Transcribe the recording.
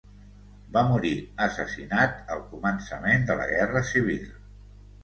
Va morir assassinat al començament de la Guerra Civil.